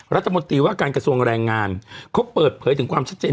รัฐมนตรีว่าการกระทรวงแรงงานเขาเปิดเผยถึงความชัดเจน